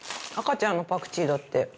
赤ちゃんのパクチーだって。